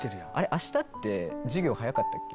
あしたって授業早かったっけ？